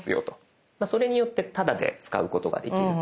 それによってタダで使うことができる。